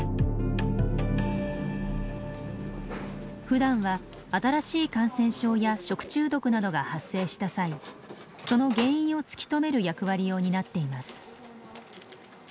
ふだんは新しい感染症や食中毒などが発生した際その原因を突き止める役割を担っています。